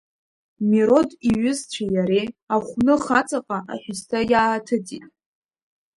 Мирод иҩызцәеи иареи Ахә-ных аҵаҟа аҳәысҭа иааҭыҵит.